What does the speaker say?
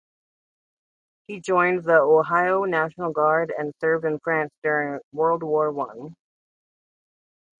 He joined the Ohio National Guard and served in France during World War One.